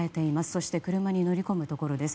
そして車に乗り込むところです。